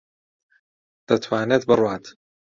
دەتوانێت بڕوات.